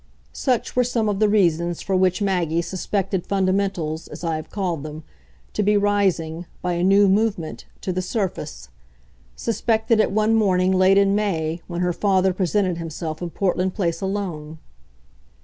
Such were some of the reasons for which Maggie suspected fundamentals, as I have called them, to be rising, by a new movement, to the surface suspected it one morning late in May, when her father presented himself in Portland Place alone.